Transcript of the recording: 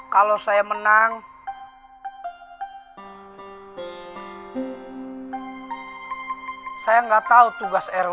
kalau saya menang saya nggak tahu tugas rw